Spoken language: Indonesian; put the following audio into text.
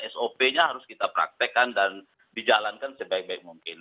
sop nya harus kita praktekkan dan dijalankan sebaik baik mungkin